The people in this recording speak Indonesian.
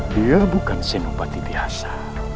dia bukan senopati biasa